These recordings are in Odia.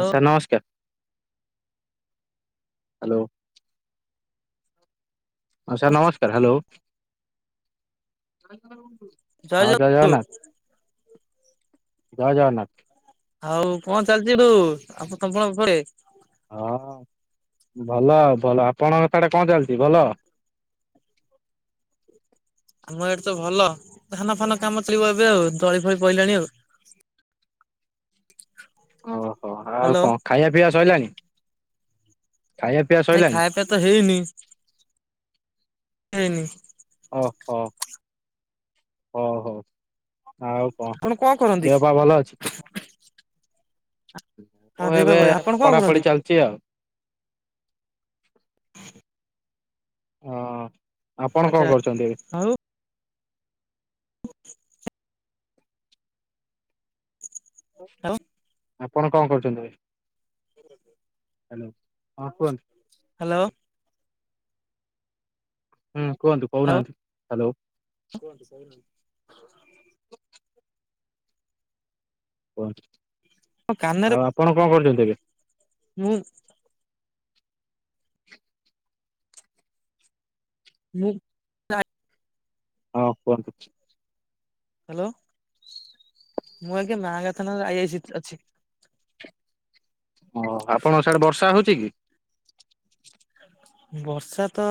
ହଁ ସାର୍ ନମସ୍କାର୍। ହ୍ୟାଲୋ! ହଁ ସାର୍ ନମସ୍କାର୍। ହ୍ୟାଲୋ! ହଁ ଯଏ ଜଗନ୍ନାଥ ଯାଏ ଜଗନ୍ନାଥ। ଆଉ କଣ ଚାଲିଛିରୁ ଆପ୍ ଆପଣ ପରେ ହଁ ଭଲ ଆଉ ଭଲ। ଆପଣଙ୍କ ସିଆଡ଼େ କଣ ଚାଲିଚି? ଭଲ ଆମ ଏଠି ତ ଭଲ ଧାନ, ଫାନ କାମ ଚଳିବ ଏବେ। ଆଉ ଦଳି, ଫଳି ପଇଲାଣି ଆଉ। ଓହୋ ଆଉ ହ୍ୟାଲୋ କଣ ଖାଇବା, ପିଇବା ସଇଲାଣି? ଖାଇଏପ୍‌। ନାଇଁ, ଖାଇବା, ପିଇବା ତ ହେଇନି। ହେଇନି। ଓହୋ ହଉ ହଉ। ଆଉ କଣ, ଆପଣ କରନ୍ତି ଦେହପା ଭଲ ଅଛି? ହଁ ମୁଁ ଦେଇ ଏବେ ଆପଣ କଣ କରନ୍ତି ପଢ଼ାପଢ଼ି ଚାଲିଚି ଆଉ। ହଁ ଆପଣ ଆଚ୍ଛା କଣ, କରୁଚନ୍ତି ଏବେ? ଆଉ ଆଉ ଆପଣ କଣ କରୁଚନ୍ତି ଏବେ? [inaudible] ହ୍ୟାଲୋ ହଁ କୁଅନ୍ତୁ। ହ୍ୟାଲୋ ହୁଁ କୁଅନ୍ତୁ କହୁନାହାନ୍ତି? ହ୍ୟାଲୋ! କୁଅନ୍ତୁ [inaudible] କୁଅନ୍ତୁ, ମୋ ଆଉ ଆପଣ କଣ କରୁଚନ୍ତି ଏବେ? ହୁଁ। ହୁଁ। ହଁ କୁଅନ୍ତୁ। ହ୍ୟାଲୋ, ମୁଁ ଆଜ୍ଞା ମା, ଗାଥାନାରେ ଆଇଆଇସି ଅଛି। ହଁ ଆପଣଙ୍କ ସିଆଡ଼େ ବର୍ଷା ହଉଚି କି? ବର୍ଷା ତ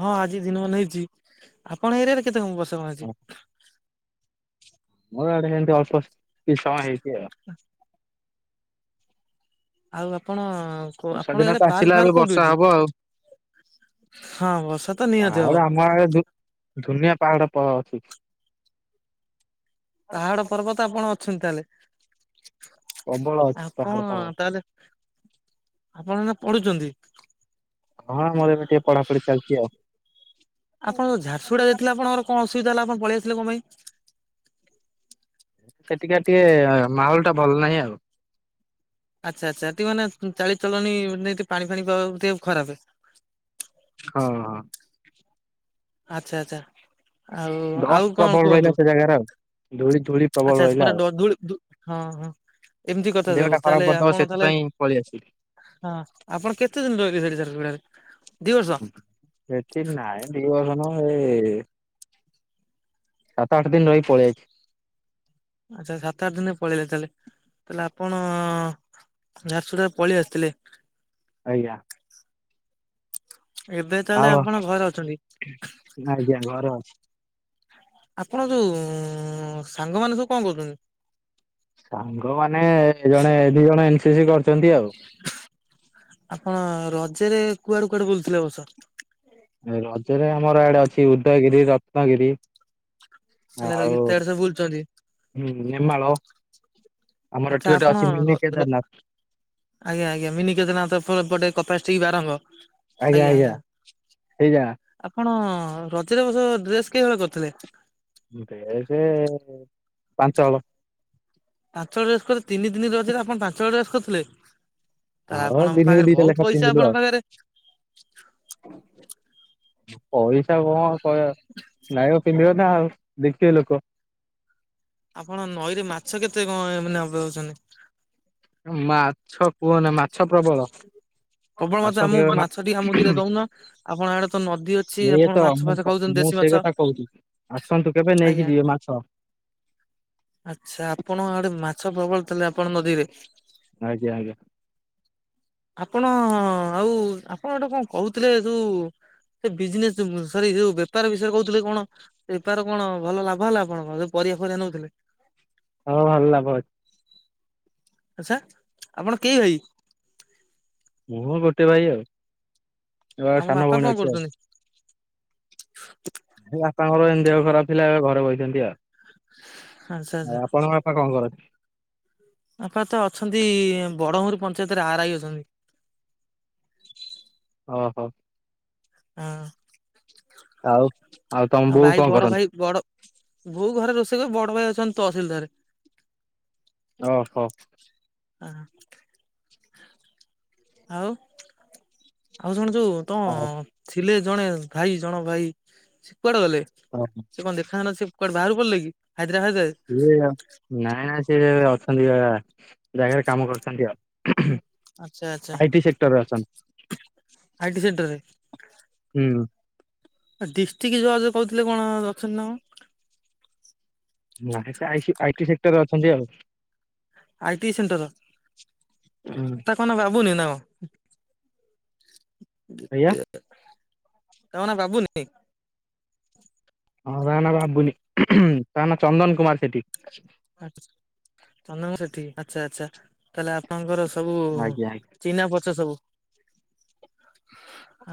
ହଁ ଆଜି ଦିନ ମାନ ହେଇଚି। ଆପଣ ଏରିଆ ରେ କେତେ କଣ ବର୍ଷା କଣ ଅଚି? ମୋର ଆଡ଼େ ସେମତି ଅଳ୍ପ କିଛି ସମୟ ହେଇଚି ଆଉ। [inaudible] ଆଉ ଆପଣ ବର୍ଷା ଆପଣଙ୍କ ଦିନ ଏଇଡ଼େ ତ ପାର୍କ୍ ଆସିଲା ଏବେ ଫାର୍କ୍ କୋଉଁଠି ବର୍ଷା ହବ ଆଉ। ଅଛି? ହଁ ବର୍ଷା ତ ନିହାତି ପାହାଡ ହବ। ଆମ ଆଡେ ଧୁ ଧୁନିଆ ପାହାଡ଼ ପ ଅଛି। ପାହାଡ଼ ପର୍ବତ ଆପଣ ଅଛନ୍ତି ପ୍ରବଳ ତାହେଲେ ଅଛି ପାହାଡ ଆପଣ ପର୍ବତ। ତାହେଲେ ଆପଣମାନେ ପଢ଼ୁଛନ୍ତି? ହଁ, ମୋର ଏବେ ଟିକେ ପଢ଼ାପଢ଼ି ଚାଲିଚି ଆଉ। ଆପଣତ ଝାରସୁଗୁଡ଼ା ଜାଇଥିଲେ। ଆଣଙ୍କର କଣ ଅସୁବିଧା ହେଲା? ଆପଣ ପଳେଇ ଆସିଲେ କଣ ପାଇଁ? ସେଠି ଖାଲି ଟିକେ ମାହୋଲ ଟା ଭଲ ନାହିଁ ଆଉ। ଆଚ୍ଛା ଆଚ୍ଛା ସେଠି ମାନେ ଚାଲିଚଳଣି ଏ ପାଣି ଫାଣି ମାନେ ଟିକେ ଖରାପ [unintelligible] ହଁ। ଆଚ୍ଛା ଆଛା ଆଉ ଡଷ୍ଟ ଆଉ କଣ ପ୍ରବଳ ରହିଲା କୁହନ୍ତୁ? ସେ ଜାଗାରେ ଆଉ। ଧୂଳି ଧୂଳି ପ୍ରବଳ ଆଚ୍ଛା ଆଚ୍ଛା ରହିଲା ପୁରା ଆଉ। ଡୋ ଧୂଳି ଧୁ ହଁ ହଁ। ଏମିତି କଥା ଦେହଟା ସବୁ ଖରାପ ତାହେଲେ କରିଦବ ଆପଣ ତାହେଲେ ସେଥିପାଇଁ ପଳେଇ ଆସିଲି। ହଁ ଆପଣ କେତେ ଦିନ ରହିଲେ ସେଠି ଝାରସୁଗୁଡା ରେ? ସେଠି ନାଇଁ ଦିବର୍ଷ ନୁହେଁ ଏ ସାତ ଆଠ ଦିନ ରହି ପଳେଇ ଆଇଛି। ଆଚ୍ଛା ସାତ ଆଠ ଦିନ ପଳେଇଲେ ତାହଲେ ତାହେଲେ ଆପଣ ଝାରୁସୁଗୁଡାରୁ ପଳେଇ ଆସିଥିଲେ। ଆଜ୍ଞା। ଏବେ ଆଉ ତାହେଲେ ଆପଣ ଘରେ ଅଛନ୍ତି? ଆଜ୍ଞା ଘରେ ଅଛି। ଆପଣ ଯୋଉ ସାଙ୍ଗମାନେ ସବୁ କଣ କରୁଛନ୍ତି? ସାଙ୍ଗ ମାନେ ଜଣେ ଦି ଜଣ ଏନସି ସି କରିଛନ୍ତି ଆଉ। ଆପଣ ରଜରେ କୁଆଡେ କୁଆଡେ ବୁଲୁଥିଲେ ଏ ବର୍ଷ? ରଜରେ ଆମର ୟାଡେ ଅଛି ଉଦୟଗିରି, ରତ୍ନଗିରି। ହେଲେ ଆଉ ଗୀତା ଆଡେ ସବୁ ବୁଲୁଛନ୍ତି। ହୁଁ ନେମାଳ। ଆମର ଆଚ୍ଛା ଏଠି ଅଛି ଆପଣ ଗୋଟେ ର ମିନି ର କେଦାରନାଥ। ଆଜ୍ଞା ଆଜ୍ଞା ମିନି କେଦାରନାଥଏପଟେ କପଷ୍ଟିକ୍ ବାରଙ୍ଗ। ଆଜ୍ଞା ଆଜ୍ଞା ସେଇ ଜାଗା। ଆପଣ ରଜରେ ଏବର୍ଷ ଡ୍ରେସ୍ କେହିହଳ କରିଥିଲେ? ଡ୍ରେସ୍ ପାଞ୍ଚ ହଳ। ପାଞ୍ଚ ହଳ ଡ୍ରେସ କରିଥିଲେ ତିନି ଦିନି ରଜ ରେ ଆପଣ ପାଞ୍ଚ ହଳ ଡ୍ରେସ୍ କରିଥିଲେ? ତ ହଁ ଆପଣଙ୍କ ଦିନକୁ ପାଖରେ ଦିଟା ଲେଖା ବହୁତ ପଇସା ପିନ୍ଧିଲୁ ଆଉ ଆପଣଙ୍କ ପାଖରେ? [inaudible] ପଇସା କଣ କ ନାଇବ ପିନ୍ଧିବ ନା ଆଉ ଦେଖିବେ ଲୋକ। ଆପଣଙ୍କ ନଈରେ ମାଛ କେତେ କଣ ଏ ମାନ ଧରିଛନ୍ତି [unintelligible] ମାଛ କୁହନି ମାଛ ପ୍ରବଳ। ପ୍ରବଳ ମାଛ ଆସନ୍ତୁ ଆମକୁ କେବେ ମା ମାଛ ଟିକେ ଆମ ଦିଟା ଦଉନ ଆପଣ ଆଡେ ତ ନଦୀ ଅଛି ଏଇ ଆପଣ ତ ମାଛ ମୁଁ ଫାଛ କ- ଖାଉଛନ୍ତି ଦେ ମୁଁ ସେଇ କଥା କହୁଛି ଆସନ୍ତୁ କେବେ ନେଇକି ଆଜ୍ଞା। ଯିବେ ମାଛ। ଆଚ୍ଛା ଆପଣ ଆଡେ ମାଛ ପ୍ରବଳ ତାହାଲେ ଆପଣଙ୍କ ନଦୀରେ? ଆଜ୍ଞା ଆଜ୍ଞା। ଆପଣ ଆଉ ଆପଣ ଗୋଟେ କଣ କହୁଥିଲେ ଯୋଉ ସେ ବିଜନେସ୍ ସରି ଯୋଉ ବେପାର ବିଷୟରେ କହୁଥିଲେ କଣ? ବେପାର କଣ ଭଲ ଲାଭ ହେଲା ଆପଣଙ୍କର ଯୋଉ ପରିବା ଫରିବା ନଉଥିଲେ? ହଁ ଭଲ ଲାଭ ଅଛି। ଆଛା ଆପଣ କେଇ ଭାଇ? ମୁଁ ଗୋଟେ ଭାଇ ଆଉ ଜଣେ ଆମ ସାନ ବାପା ଭଉଣୀ କଣ ଅଛି ଆଉ। କରୁଛନ୍ତି? ଏଇ ବାପାଙ୍କର ଏମିତି ଦେହ ଖରାପ ଥିଲା ଏବେ ଘରେ ବଇ ଛନ୍ତି ଆଚ୍ଛା ଆଚ୍ଛା ଆଉ ଆପଣଙ୍କ ବା [unintelligible] ବାପା କଣ କରନ୍ତି? ବାପା ତ ଅଛନ୍ତି ବଡ ଘୁମୁରି ପଞ୍ଚାୟତରେ ଆରଆଇ ଅଛନ୍ତି। ଓହୋ। ଆଁ। ଆଉ ଆଉ ତମ ବୋଉ ଭାଇ କଣ ବଡ କରନ୍ତି? ଭାଇ ବଡ ବୋଉ ଘରେ ରୋଷେଇ କରେ ବଡ ଭାଇ ଅଛନ୍ତି ତହସିଲଦାର୍ ରେ। ଓହୋ। [unintelligible] ଆଉ ଆଉ ଶୁଣୁଚୁ ତମ ଆଉ ଅ ଥିଲେ ଜଣେ ଭାଇ ଜଣ ଭାଇ ସେ କୁଆଡେ ଗଲେ? [unintelligible] [unintelligible] ସେ କୁଆଡେ ବାହାରକୁ ପଳେଇଲେକି ହାଇଦ୍ରାବାଦ ଫାଇଦ୍ରାବାଦ। ସିଏ ଆ ନାଁଇ ନାଁ ସିଏ ଅଛନ୍ତି ଏକା ଜାଗାରେ କାମ କରୁଛନ୍ତି ଆଉ ଆଚ୍ଛା ଆଚ୍ଛା ଆଇଟି ସେକ୍ଟର ରେ ଅଛନ୍ତି। ଆଇଟି ସେକ୍ଟର ରେ। ହୁଁ। [unintelligible] କହୁଥିଲେ କଣ ଅଛନ୍ତି ନା କଣ। ନାହିଁ ସେ ଆଇସି ଆଇଟି ସେକ୍ଟରରେ ଅଛନ୍ତି ଆଉ। ଆଇଟି ସେଣ୍ଟର ହୁଁ ତାଙ୍କ ନାଁ କଣ ବାବୁନି ନା କଣ? ଆଜ୍ଞା। [unintelligible] ତାଙ୍କ ନାଁ ବାବୁନି? ହଁ ତାଙ୍କ ନାଁ ବାବୁନି। ତାଙ୍କ ନାଁ ଚନ୍ଦନ କୁମାର ସେଠି। ଆଛା, ଚନ୍ଦନ ସେଠୀ ଆଚ୍ଛା ଆଛା। ତାହେଲେ ଆପଣଙ୍କର ସବୁ ଆଜ୍ଞା ଆଜ୍ଞା ଚିହ୍ନା ପରିଚୟ ସବୁ।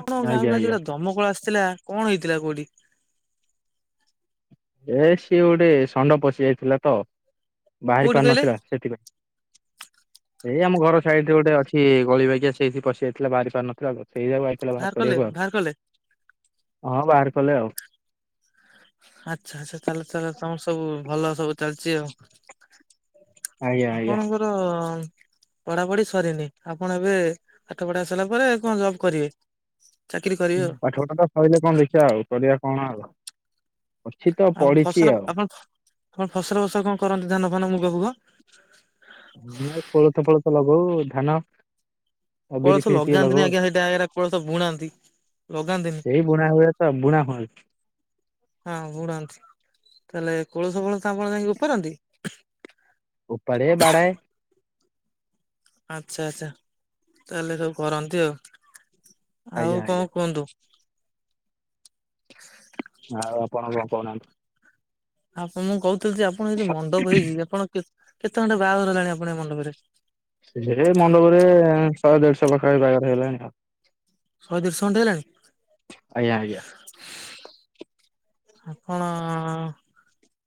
ଆପଣ ଆଜ୍ଞା ଗାଁକୁ ଆଜି ଆଜ୍ଞା। ଗୋଟେ ଦମକଳ ଆସିଥିଲା କଣ ହେଇଥିଲା କୋଉଠି? ଏ ସିଏ ଗୋଟେ ଷଣ୍ଢ ପଶି ଯାଇଥିଲା ତ ବାହାରି କୋଉଠି ପାରୁ କହିଲେ ନଥିଲା ସେଥିପାଇଁ। [inaudible] ଏଇ ଆମ ଘର ସାଇଡ ରେ ଗୋଟେ ଅଛି ଗଳି ବାଗିଆ ସେଇଠି ପଶି ଯାଇଥିଲା ବାହାରି ପାରୁ ନଥିଲା ସେଇ ଯୋଉ ଆଇ ଆସିଥିଲା ବାହାର କଲେ କରିଆକୁ ଆଉ ବାହାର କଲେ ହଁ ବାହାର କଲେ ଆଉ ଆଚ୍ଛା, ଆଚ୍ଛା ତାହେଲେ ତାହେଲେ ତମର ସବୁ ଭଲ ସବୁ ଚାଲିଚି ଆଉ। ଆଜ୍ଞା ଆଜ୍ଞା। ଆପଣଙ୍କର ପଢାପଢି ସରିନି ଆପଣ ଏବେ ପାଠ ପଢା ସାରିଲା ପରେ କଣ ଜବ୍ କରିବେ? ଚାକିରି କରିବେ ଆଉ। ପାଠ ପଢା ଟା ସଇଲେ କଣ ଦେଖିବା ଆଉ କରିବା କଣ ଆଉ ଅଛି ତ ଆଉ ଫସଲ ପଡିଚି ଆଉ। ଆପଣ ଆପଣ ଫସଲ ଫସଲ କଣ କରନ୍ତି ଧାନ ଫାନ ମୁଗ ଫୁଗ? ନାଇ କୋଳଥ ଫୋଳଥ ଲଗଉ ଧାନ ବିରି କୋଳଥ ଫିରି ଟିକେ ଲଗାନ୍ତିନି ଲଗଉ ଆଜ୍ଞା ସେଇଟା କୋଳଥ ବୁଣନ୍ତି। ସେଇ ବୁଣା ହୁଏ ତ ବୁଣା ହୁଅ। ହଁ ବୁଣନ୍ତି ତାହେଲେ କୋଳଥ ଫୋଳଥ ଆପଣ ଯାଇକି ଉପାରନ୍ତି? ଉପାଡେ ବାଡ଼ାଏ। ଆଚ୍ଛା ଆଚ୍ଛା ତାହେଲେ ସବୁ କରନ୍ତି ଆଉ ଆଜ୍ଞା ଆଉ ଆଜ୍ଞା କଣ କୁହନ୍ତୁ? ଆଉ ଆପଣ କଣ କହୁନାହାନ୍ତି। ଆପଣ ମୁଁ କହୁଥିଲି ଆପଣ ଏଇ ଯୋଉ ମଣ୍ଡପ ହେଇଚି ଆପଣ କେତ୍ କେତେ ଖଣ୍ଡେ ବାହାଘର ହେଲାଣି ଆପଣ ଏ ମଣ୍ଡପରେ? ହେଇ ମଣ୍ଡପରେ ଶହେ ଦେଢଶହ ପାଖା ପାଖି ବାହାଘର ହେଲାଣି ଆଉ। ଶହେ ଦେଢ଼ଶହ ଖଣ୍ଡେ ହେଲାଣି? ଆଜ୍ଞା ଆଜ୍ଞା। ହଁ,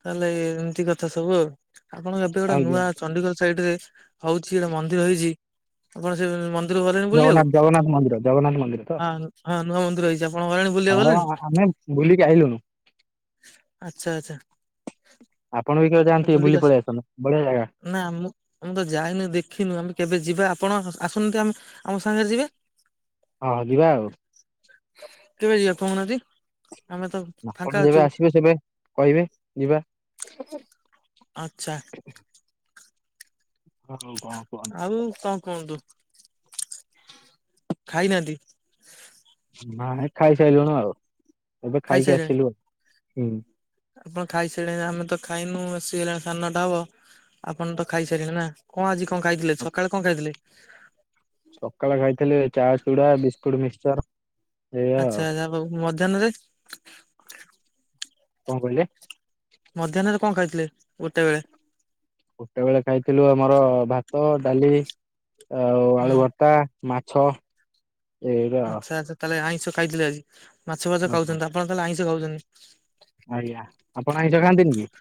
ତାହେଲେ ଏମିତି କଥା ସବୁ ଆଉ। ଆପଣ ଏବେ ଗୋଟେ ଆଜ୍ଞା। ନୂଆ ଚଣ୍ଡିଖୋଲ ସାଇଡ ରେ ହଉଛି ମନ୍ଦିର ହେଇଛି ଆପଣ ସେ ମନ୍ଦି ଜଗନ୍ନାଥ ଜଗନ୍ନାଥ ମନ୍ଦିର ଜଗନ୍ନାଥ ମନ୍ଦିର ତ। ହଁ ହଁ ନୂଆ ମନ୍ଦିର ହେଇଚି ହଁ, ବା ଆମେ ବୁଲିକି ଆଇଲୁଣୁ। ଆଛା ଆଛା। ଆପଣ ବି କେବେ ଯାନ୍ତୁ ଟିକେ ବୁଲି ଆସି ପଳେଇଆସନ୍ତୁ ବଢିଆ ଜାଗା। ନା ମୁ ମୁଁ ତ ଯାଇନୁ ଦେଖିନୁ ଆମେ କେବେ ଯିବା ଆପଣ ଆସୁନାହାନ୍ତି ଆମେ ଆମ ସାଙ୍ଗରେ ଯିବେ। ହଁ ଯିବା ଆଉ। କେବେ ଯିବା କହୁନାହାନ୍ତି? ଆମେ ତ ଫାଙ୍କା ଆପଣ ଅଛୁ ଯେବେ ଆସିବେ ସେବେ କହିବେ ଯିବା। ଆଚ୍ଛା। ହ [unintelligible] ଆଉ କଣ କୁହନ୍ତୁ? ଖାଇନାହାନ୍ତି। ହଁ ଏଇ ଖାଇସାରିଲୁଣି ଆଉ ଏବେ ଖାଇକି ଖାଇସାରିଲେଣି ଆସିଲୁ ଆଉ। ହୁଁ। ଆପଣ ଖାଇସାରିଲେଣି ଆମେ ତ ଖାଇନୁ ଆସିକି ହେଲାଣି ସାନଟା ହବ। ଆପଣ ତ ଖାଇସାରିଲେଣି ନା, କଣ ଆଜି କଣ ଖାଇଥିଲେ ସକାଳେ କଣ ଖାଇଥିଲେ? ସକାଳେ ଖାଇଥିଲେ ଚା, ଚୁଡା, ବିସ୍କୁଟ, ମିକ୍ସର। ଆଚ୍ଛା-ଆଚ୍ଛା ହୋଉ, ମଧ୍ୟାହ୍ନରେ? କଣ କହିଲେ? ମଧ୍ୟାହ୍ନରେ କଣ ଖାଇଥିଲେ ଗୋଟେ ବେଳେ? ଗୋଟେ ବେଳେ ଖାଇଥିଲୁ ଆମର ଭାତ, ଡାଲି ଆଉ ହୁଁ ଆଳୁ ଭର୍ ତା ମାଛ। ଏଇରା ଆଉ। ଆଚ୍ଛା-ଆଚ୍ଛା, ତାହେଲେ ଆଇଁଷ ଖାଇଥିଲେ ଆଜି ମାଛ-ଫାଛ ଓହୋ ଖାଉଛନ୍ତି। ଆପଣ ତାହେଲେ ଆଇଁଷ ଖାଉଛନ୍ତି? ଆଜ୍ଞା ଆପଣ ଆଇଁଷ ଖାନ୍ତିନି କି?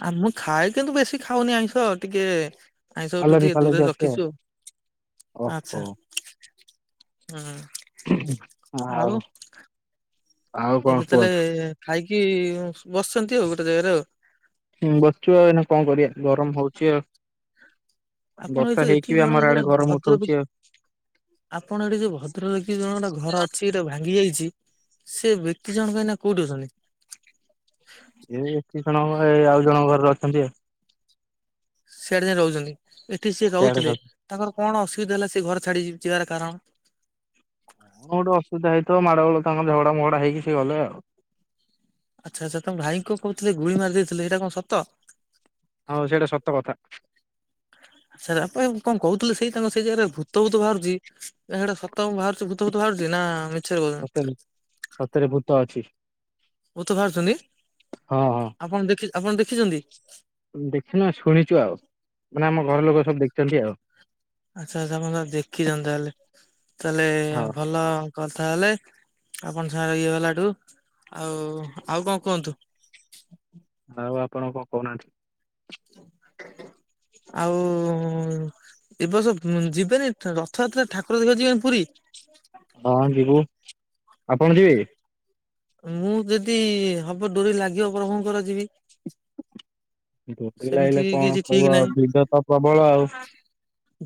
ଆ, ମୁଁ ଖାଏ କିନ୍ତୁ ବେଶୀ ଖାଉନି ଆଇଁଷ, ଟିକେ ଆଇଁଷଠୁ ଆଲର୍ଜି ଟିକେ ଫାଲର୍ଜି ଦୂରରେ ଅଛି ରଖିଛୁ ଆଉ। ଓହୋ। ଆଚ୍ଛା! ହୁଁ! ହ [unintelligible] ଆଉ! ଆଉ କଣ ଏବେ କୁହନ୍ତୁ? ତାହେଲେ ଖାଇକି ବସିଛନ୍ତି ଆଉ ଗୋଟେ ଜାଗାରେ ଆଉ। ହୁଁ! ବସ୍ଚୁ ଆଉ ଏଇ ନା କଣ କରିବା, ଗରମ ହଉଛି ଆଉ। ଆପଣ ଏଇ ବର୍ଷା ଯୋଉ ଏଠି ହେଇକ ବି ଜଣେ ଆମର ଯୋଉଟେ ଆଡେ ଗରମ ଭଦ୍ର ବ୍ୟକ୍ତି ଉଠଉଛି ଆଉ। ଆପଣ ଏଠି ଯୋଉ ଭଦ୍ର ବ୍ୟକ୍ତି ଜଣଙ୍କର ଘର ଅଛି ଟା ଭାଙ୍ଗି ଯାଇଛି। ସେ ବ୍ୟକ୍ତି ଜଣଙ୍କ ଏଇନା କୋଉଠି ଅଛନ୍ତି? ଏ ବ୍ୟକ୍ତି ଜଣଙ୍କ ଏ ଆଉ ଜଣଙ୍କ ଘରରେ ଅଛନ୍ତି ଆଉ। ସେଆଡେ ଯାଇ ରହୁଛନ୍ତି, ଏଠି ସିଏ ସିଆଡେ ରହୁଥିଲେ କଣ ତାଙ୍କର କଣ ଅସୁବିଧା ହେଲା ସେ ଘର ଛାଡି ଯିବାର କାରଣ? କଁ ଗୋଟେ ଅସୁବିଧା ହେଇଥିବ, ମାଡ ଗୋଳ ତାଙ୍କ ଝଗଡା-ମଗଡା ହେଇକି ସେ ଗଲେ ଆଉ। ଆଚ୍ଛା-ଆଚ୍ଛା! ତମ ଭାଇ କଁ କହୁଥିଲେ ଗୁଳି ମାରି ଦେଇଥିଲେ, ଏଇଟା କଣ ସତ? ହଉ, ସେଇଟା ସତ କଥା। [unintelligible] କଣ କହୁଥିଲେ ସେଇ ତାଙ୍କ ସେଇ ଜାଗାରେ ଭୂତ-ଭୂତ ବାହାରୁଛି। ନା ସେଇଟା ସତ କଣ ବାହାରୁଛି ଭୂତ-ଭୂତ ବାହାରୁଛି ନା ମି? ସତରେ, ସତରେ ଭୂତ ଅଛି। ଭୂତ ବାହାରୁଛନ୍ତି, ହଁ ହଁ ଆପଣ ଦେଖି-ଆପଣ ଦେଖିଛନ୍ତି? ଦେଖିନୁ ଶୁଣିଛୁ ଆଉ, ମାନେ ଆମ ଘର ଲୋକ ସବୁ ଦେଖିଛନ୍ତି ଆଉ। ଆଚ୍ଛା-ଆଛା ଆପଣ ଦେଖିଛନ୍ତି ତାହେଲେ-ତାହେଲେ ହଁ ଭଲ ଆଉ। କଥା ହେଲେ, ଆପଣ ସାଙ୍ଗରେ ଇଏ ଗଲାଠୁ ଆଉ-ଆଉ କଣ କୁହନ୍ତୁ? ଆଉ, ଆପଣ କଣ କହୁନାହାନ୍ତି? ଆଉ ଏ ବସ ଯିବେନି? ରଥଯାତ୍ରା ଠାକୁର ଦେଖିବାକୁ ଯିବେନି ପୁରୀ। ହଁ ଯିବୁ ଆପଣ ଯିବେ କି? ମୁଁ ଯଦି ହବ ଡୋରି ଲାଗିବ ପ୍ରଭୁଙ୍କର ଯିବି। ଦୋଡ଼ି ସେମିତି ଲାଗଲେ କଣ କିଛି ଠିକ ହବ ନାହିଁ ଆଉ ଭିଡ଼ ତ ପ୍ରବଳ ଆଉ।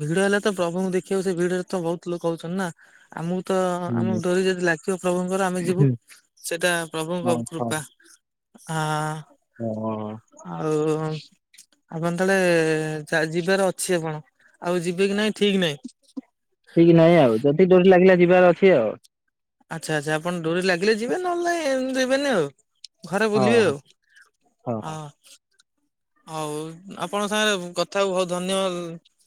ଭିଡ ହେଲା ତ ପ୍ରଭୁଙ୍କୁ ଦେଖିବାକୁ ସେ ଭିଡରେ ତ ବହୁତ ଲୋକ ହଉଛନ୍ତି ନା। ଆମକୁ ତ, ହୁଁ ଆମକୁ ହୁଁ ଡୋରି ଯଦି ଲାଗିବ ପ୍ରଭୁଙ୍କର ଆମେ ଯିବୁ। ସେଇଟା ପ୍ରଭୁଙ୍କ କୃପା ଆ ଓହୋ। ଆଉ ଆପଣ ତାହେଲେ ଚା ଯିବାର ଅଛି ଆପଣ ଆଉ ଯିବେ କି ନାଇଁ ଠିକ ନାହିଁ। ଠିକ ନାହିଁ ଆଉ ଯଦି ଡୋରି ଲାଗିଲା ଯିବାର ଅଛି ଆଉ। ଆଚ୍ଛା-ଆଚ୍ଛା ଆପଣ ଡୋରି ଲାଗିଲେ ଯିବେ ନହେଲେ ନାଇଁ ଯିବେନି ଆଉ। ଘରେ ହଁ ବୁଲିବେ ହଁ। ଆଉ? ହଁ। ହଉ, ଆପଣଙ୍କ ସାଙ୍ଗରେ କଥାକୁ ବହୁ ଧନ୍ୟ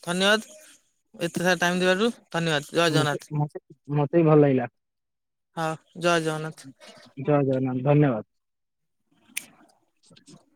ଧନ୍ୟବାଦ। ଏତେ ସାରା ଟାଇମ୍ ଦିବାରୁ ଧନ୍ୟବାଦ ଜୟ ମତେ ଜଗନ୍ନାଥ। ମତେ ମତେ ବି ଭଲ ଲାଗିଲା। ହଁ, ଜୟ ଜଗନ୍ନାଥ। ଜୟ ଜୟନାଥ, ଧନ୍ୟବାଦ। [inaudible]